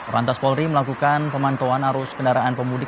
lantas polri melakukan pemantauan arus kendaraan pemudik